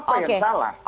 apa yang salah